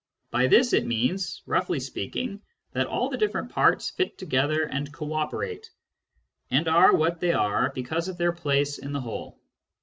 By this it means, roughly speaking, that all the diflFerent parts fit together and co operate, and are what they are because of their place in the whole.